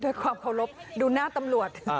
โดยความขอบครบดูหน้าตำรวจ